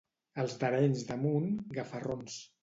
Els d'Arenys de Munt, gafarrons.